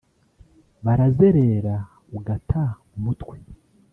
Barazerera ugata umutwe